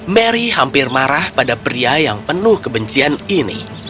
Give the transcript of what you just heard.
mary hampir marah pada pria yang penuh kebencian ini